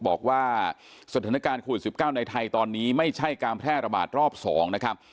บอกว่าสถานการณ์โควิด๑๙ในไทยตอนนี้ไม่ใช่การแพร่ระบาดรอบ๒นะครับ